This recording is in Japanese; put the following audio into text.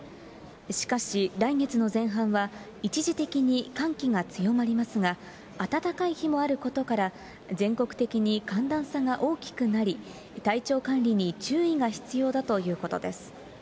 しかし、来月の前半は一時的に寒気が強まりますが、暖かい日もあることから、全国的に寒暖差が大きくなり、体調管理に注意が必要だということです。